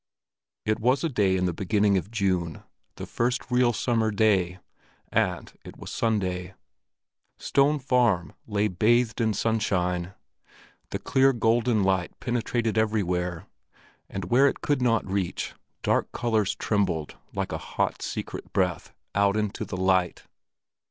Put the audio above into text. It was a day in the beginning of June—the first real summer day; and it was Sunday. Stone Farm lay bathed in sunshine. The clear golden light penetrated everywhere; and where it could not reach, dark colors trembled like a hot, secret breath out into the light.